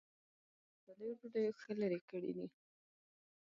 احمد په پردیو ډوډیو ښه لری کړی دی.